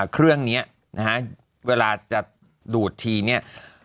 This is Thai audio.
เครื่องนี้นะฮะเวลาจะดูดทีเนี่ย